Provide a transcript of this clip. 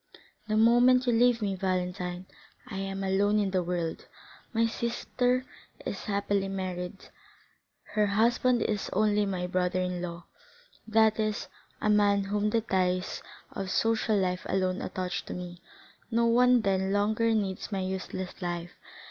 The moment you leave me, Valentine, I am alone in the world. My sister is happily married; her husband is only my brother in law, that is, a man whom the ties of social life alone attach to me; no one then longer needs my useless life.